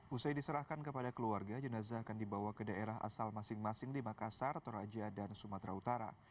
usai diserahkan kepada keluarga jenazah akan dibawa ke daerah asal masing masing di makassar toraja dan sumatera utara